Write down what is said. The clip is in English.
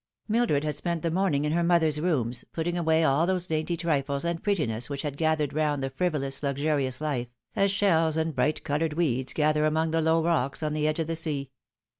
Mildred had spent the morning in her mother's rooms, putting away all those dainty trifles and prettinesses which had gathered round the frivolous, luxurious life, as shells and bright coloured weeds gather among the low rocks on the edge of the sea.